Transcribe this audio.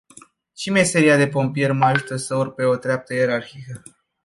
Și meseria de pompier mă ajută să urc pe o treaptă ierarhică.